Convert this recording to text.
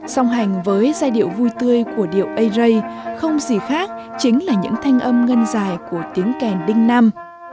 song hành với giai điệu vui tươi của điệu ây rây không gì khác chính là những thanh âm ngân dài của tiếng kèn đinh năm